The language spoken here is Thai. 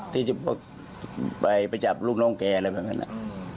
ทีนี้จะไปจับรึเปล่าน้องแกแล้วบางงั้น